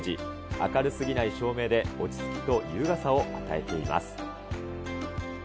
明るすぎない照明で、落ち着きと優雅さを与えています。